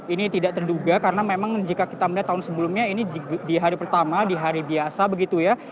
ini tidak terduga karena memang jika kita melihat tahun sebelumnya ini di hari pertama di hari biasa begitu ya